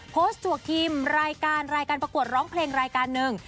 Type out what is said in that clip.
จวกทีมรายการรายการประกวดร้องเพลงรายการหนึ่ง